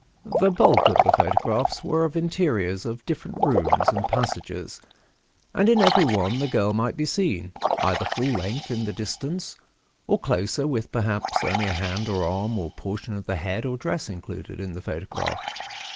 The bulk of the photographs were of interiors of different rooms and passages, and in every one the girl might be seen, either full length in the distance, or closer, with, perhaps, only a hand or arm, or portion of the head or dress included in the photograph.